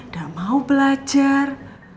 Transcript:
gak mau belajar